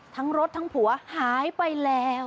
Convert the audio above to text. ทั้งรถทั้งผัวหายไปแล้ว